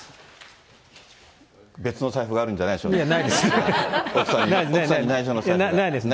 別の財布があるんじゃないでしょないです。